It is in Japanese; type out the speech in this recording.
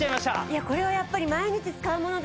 いやこれはやっぱり。